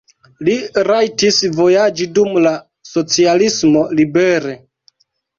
Li rajtis vojaĝi dum la socialismo libere.